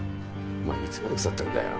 お前いつまで腐ってんだよ。